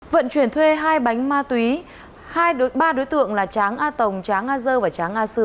vận chuyển thuê hai bánh ma túy ba đối tượng là tráng a tồng tráng a dơ và tráng a sư